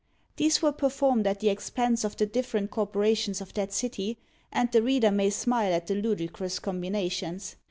These were performed at the expense of the different corporations of that city, and the reader may smile at the ludicrous combinations.